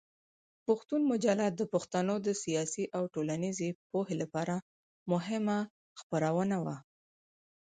پښتون مجله د پښتنو د سیاسي او ټولنیزې پوهې لپاره مهمه خپرونه وه.